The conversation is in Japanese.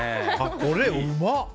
これ、うまっ！